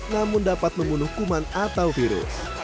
namun dapat membunuh kuman atau virus